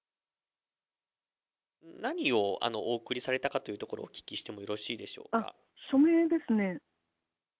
何をお送りされたかというところをお聞きしてもよろしいでし署名ですね。